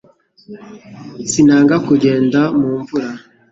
Sinanga kugenda mu mvura